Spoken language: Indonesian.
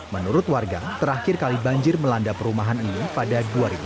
menurut warga terakhir kali banjir melanda perumahan ini pada dua ribu dua puluh